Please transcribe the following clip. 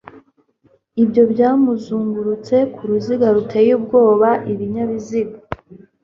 Ibyo byazungurutse ku ruziga ruteye ubwoba ibinyabiziga